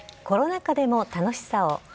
コロナ禍でも楽しさを。